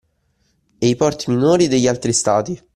E i porti minori degli altri stati.